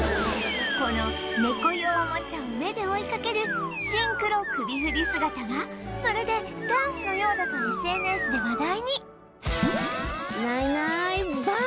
この猫用おもちゃを目で追いかけるシンクロ首振り姿はまるでダンスのようだと ＳＮＳ で話題に